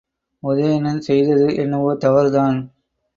உதயணன் செய்தது என்னவோ தவறுதான்!